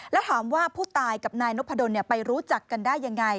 แล้วถามว่าผู้ตายกับนายนพดลไปรู้จักกันได้ยังไง